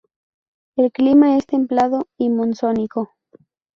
El clima es templado y monzónico.